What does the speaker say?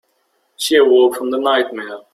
She awoke from the nightmare.